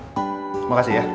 terima kasih ya